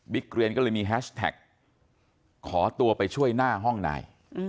เรียนก็เลยมีแฮชแท็กขอตัวไปช่วยหน้าห้องนาย